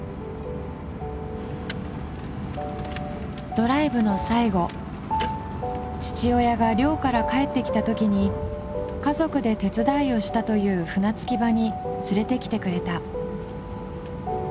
ドライブの最後父親が漁から帰ってきた時に家族で手伝いをしたという船着場に連れてきてくれた。